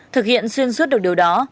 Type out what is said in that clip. thực hiện xuyên suốt được điều đó